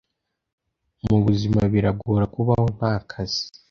Mubuzima biragora kubaho nta kazi.